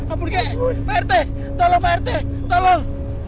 ampun kek prt tolong prt tolong